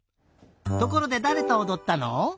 ところでだれとおどったの？